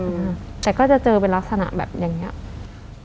อืมแต่ก็จะเจอเป็นลักษณะแบบอย่างเงี้ย